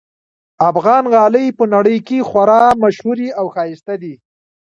افغان غالۍ په نړۍ کې خورا ممشهوري اوښایسته دي